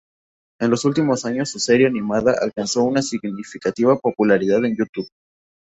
En los últimos años su serie animada alcanzó una significativa popularidad en YouTube.